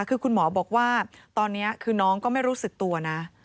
คือคุณหมอบอกว่าตอนนี้คือน้องก็ไม่รู้สึกตัวนะ